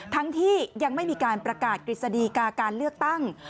ทั้งที่ยังไม่มีการประกาศกฤษฎีกาการเลือกตั้ง